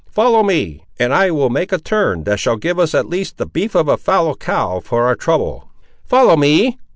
Follow me; and I will make a turn that shall give us at least the beef of a fallow cow for our trouble." "Follow me!"